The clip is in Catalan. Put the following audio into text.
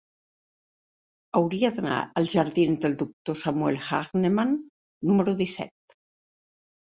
Hauria d'anar als jardins del Doctor Samuel Hahnemann número disset.